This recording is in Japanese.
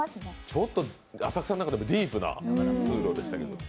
ちょっと浅草の中でもディープなところでしたけれども。